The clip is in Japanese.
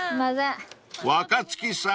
［若槻さん